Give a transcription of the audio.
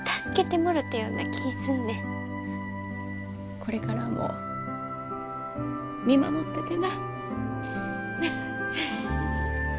これからも見守っててな。